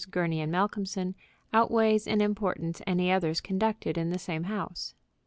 Gurney & Malcolmson outweighs in importance any others conducted in the same house.